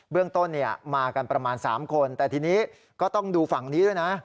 เรื่องต้นมากันประมาณ๓คนแต่ทีนี้ก็ต้องดูฝั่งนี้ด้วยนะ